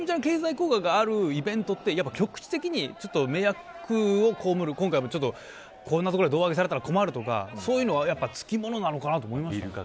瞬間的にめちゃめちゃ経済効果があるイベントって、局地的に迷惑を被る今回も、こんな所で胴上げをされたら困るとかそういうのはつきものなのかと思いました。